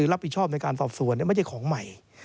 ไม่ใช่ของใหม่